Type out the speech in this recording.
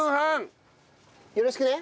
よろしくね。